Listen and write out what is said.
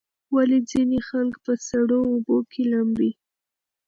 ولې ځینې خلک په سړو اوبو کې لامبي؟